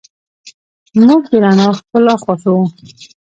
موږ د رڼا ښکلا خوښو.